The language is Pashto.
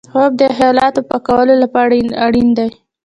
خوب د خیالاتو پاکولو لپاره اړین دی